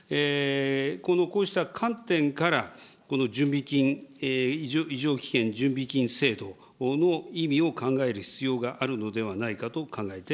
このこうした観点からこの準備金、異常危険準備金制度の意味を考える必要があるのではないかと考え